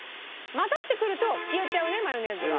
混ざってくると消えちゃうねマヨネーズが。